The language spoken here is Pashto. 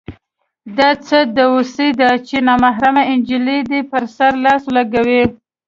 دا څه دوسي ده چې نامحرمه نجلۍ دې پر سړي لاس ولګوي.